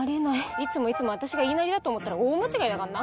いつもいつも私が言いなりだと思ったら大間違いだかんな。